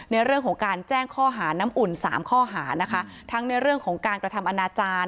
ในเรื่องของการแจ้งข้อหาน้ำอุ่นสามข้อหานะคะทั้งในเรื่องของการกระทำอนาจารย์